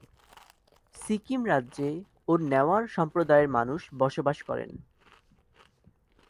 সিকিম রাজ্যে ও নেওয়ার সম্প্রদায়ের মানুষ বসবাস করেন।